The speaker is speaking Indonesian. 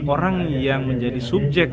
orang yang menjadi subjek